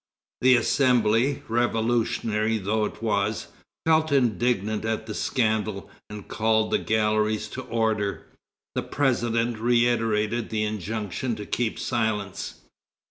The Assembly, revolutionary though it was, felt indignant at the scandal, and called the galleries to order. The president reiterated the injunction to keep silence.